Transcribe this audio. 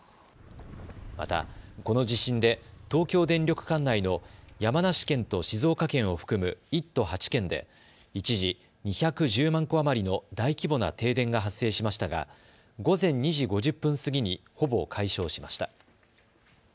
また、この地震で東京電力管内の山梨県と静岡県を含む１都８県で一時、２１０万戸余りの大規模な停電が発生しましたが午前２時５０分過ぎにほぼ解消しました。